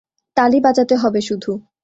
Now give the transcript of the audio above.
তালি বাজাতে হবে শুধু।